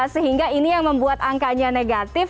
sehingga ini yang membuat angkanya negatif